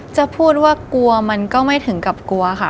จะพูดว่ากลัวมันก็ไม่ถึงกับกลัวค่ะ